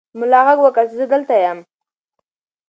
ملا غږ وکړ چې زه دلته یم.